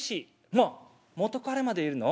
「まあ元カレまでいるの？」。